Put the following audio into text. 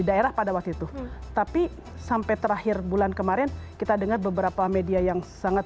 daerah pada waktu itu tapi sampai terakhir bulan kemarin kita dengar beberapa media yang sangat